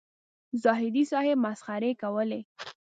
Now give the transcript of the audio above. زاهدي صاحب مسخرې کولې.